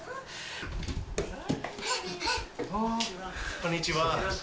こんにちは。